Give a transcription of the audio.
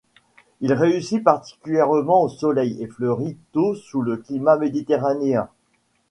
Il réussit particulièrement au soleil et fleurit tôt sous le climat méditerranéen.